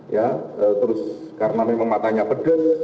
ya terus karena memang matanya pedes